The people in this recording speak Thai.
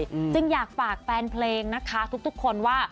คุณซูอาถึงอยากฝากคนใจของคุณค่ะ